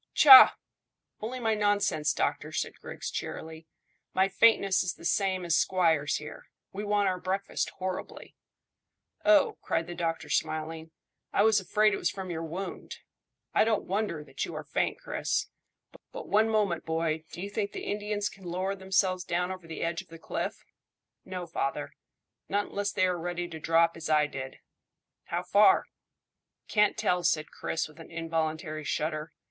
"Tchah! Only my nonsense, doctor," said Griggs cheerily. "My faintness is the same as squire's here. We want our breakfast horribly." "Oh," cried the doctor, smiling. "I was afraid it was from your wound. I don't wonder that you are faint, Chris. But one moment, boy, do you think the Indians can lower themselves down over the edge of the cliff?" "No, father; not unless they are ready to drop as I did." "How far?" "Can't tell," said Chris, with an involuntary shudder.